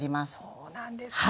そうなんですか。